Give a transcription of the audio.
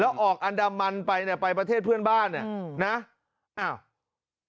แล้วออกอันดามันไปเนี่ยไปประเทศเพื่อนบ้านเนี่ยนะอ้าว